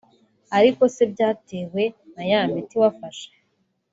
Ariko se byatewe na ya miti wafashe